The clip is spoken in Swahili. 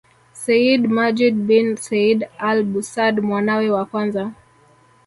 Sayyid Majid bin Said Al Busad mwanawe wa kwanza